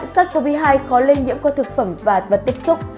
sars cov hai khó lây nhiễm qua thực phẩm và vật tiếp xúc